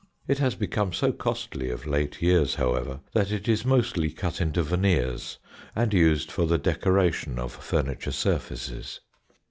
It has become so costly of late years, however, that it is mostly cut into veneers, and used for the decoration of furniture surfaces.